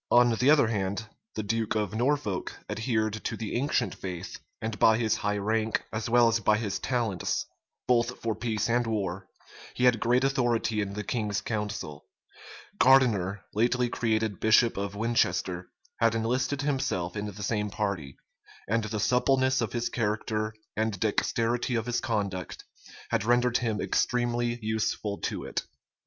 On the other hand, the duke of Norfolk adhered to the ancient faith, and by his high rank, as well as by his talents, both for peace and war, he had great authority in the king's council: Gardiner, lately created bishop of Winchester, had enlisted himself in the same party; and the suppleness of his character, and dexterity of his conduct, had rendered him extremely useful to it.